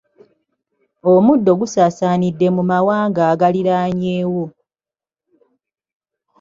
Omuddo gusaasaanidde mu mawanga agaliraanyewo.